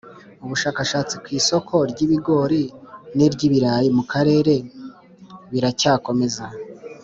ubushakashatsi ku isoko ry'ibigori n'iry'ibirayi mu karere biracyakomeza.